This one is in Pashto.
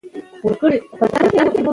ده د خپل پلار ناتمام ماموریت یادوي.